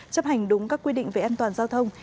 chấp hành đúng các quy định về an toàn giao thông